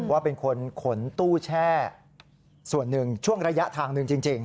ว่าเป็นคนขนตู้แช่ส่วนหนึ่งช่วงระยะทางหนึ่งจริง